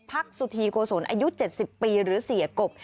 สุธีโกศลอายุ๗๐ปีหรือเสียกบ